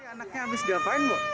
anaknya habis diapain bu